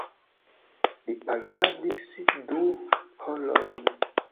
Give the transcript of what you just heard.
Li paroladis du horojn.